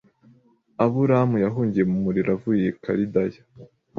Aburamu yahungiye mu muriro avuye i Kalidaya